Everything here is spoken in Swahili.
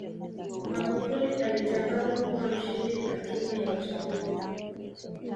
magufuli alitangazwa kuwa mshindi na tume ya uchaguzi